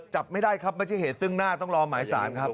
จับไม่ได้ครับไม่ใช่เหตุซึ่งหน้าต้องรอหมายสารครับ